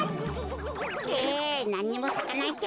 ってなんにもさかないってか。